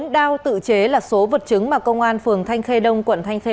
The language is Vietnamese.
bốn đao tự chế là số vật chứng mà công an phường thanh khê đông quận thanh khê